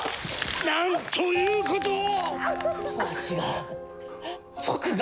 なんということを！